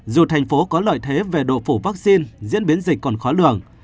dù thành phố có lợi thế về độ phủ vaccine diễn biến dịch còn khó lường